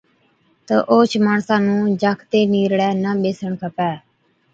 تہ اوهچ ماڻسا نُون جاکتي نِيرڙَي نہ ٻيسڻ کپَي۔